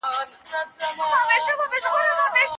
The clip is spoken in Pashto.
تولیدي پرمختګ د هېواد د ځان بسیايني ضمانت کوي.